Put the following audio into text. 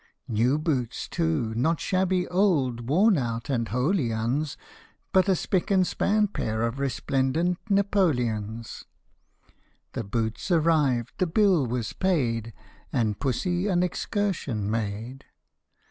New boots, too ! Not shabby, old, worn out, and holey 'uns, But a spick and span pair of resplendent Napoleons. The boots arrived, the bill was paid, And Pussy an excursion made.